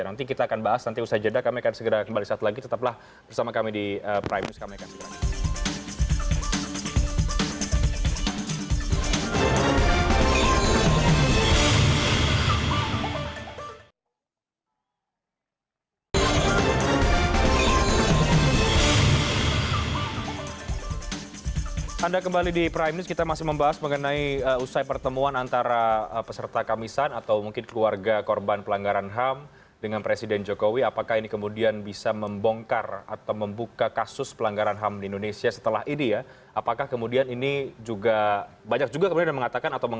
nanti kita akan bahas nanti usai jeda kami akan